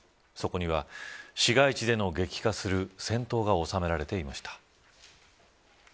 そこには、市街地での激化する戦闘が収められていました。